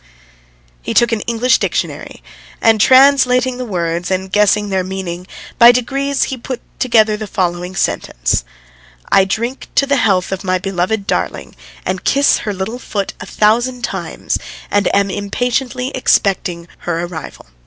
He took an English dictionary, and translating the words, and guessing their meaning, by degrees he put together the following sentence: "I drink to the health of my beloved darling, and kiss her little foot a thousand times, and am impatiently expecting her arrival."